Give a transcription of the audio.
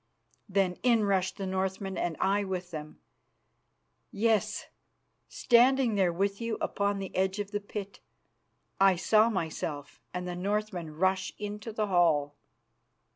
Then in rushed the Northmen and I with them. Yes, standing there with you upon the edge of the pit, I saw myself and the Northmen rush into the hall."